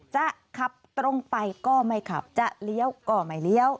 จะขับตรงไปก็ไม่ขับจะเลี้ยวก็ไม่เลี้ยว